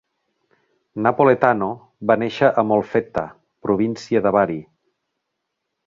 Napoletano va néixer a Molfetta, província de Bari.